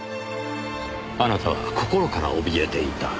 あなたは心からおびえていた。